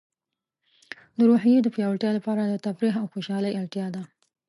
د روحیې د پیاوړتیا لپاره د تفریح او خوشحالۍ اړتیا ده.